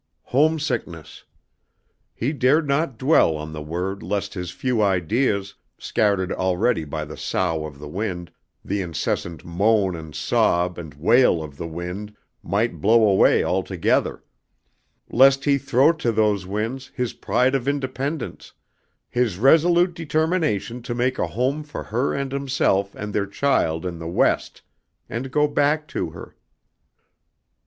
Homesickness! He dared not dwell on the word lest his few ideas, scattered already by the sough of the wind, the incessant moan and sob and wail of the wind, might blow away altogether; lest he throw to those winds his pride of independence, his resolute determination to make a home for her and himself and their child in the West, and go back to her.